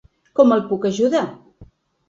Com el puc ajudar?